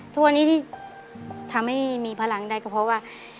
ทุกวันนี้ที่ทำให้มีพลังได้ก็เพราะว่า